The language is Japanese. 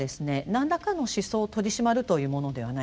何らかの思想を取り締まるというものではない。